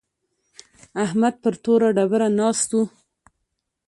احمد پر توره ډبره ناست و.